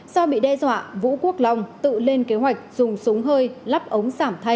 sau bị đe dọa vũ quốc long tự lên kế hoạch dùng súng hơi lắp ống sảm thanh